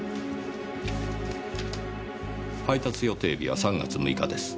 配達予定日は３月６日です。